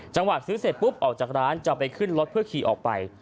ซื้อเสร็จปุ๊บออกจากร้านจะไปขึ้นรถเพื่อขี่ออกไป